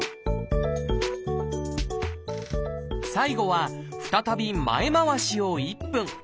最後は再び前回しを１分。